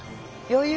余裕！